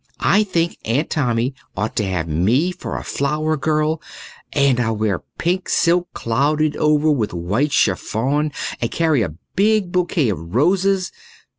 I think Aunt Tommy ought to have me for a flower girl and I'll wear pink silk clouded over with white chiffon and carry a big bouquet of roses."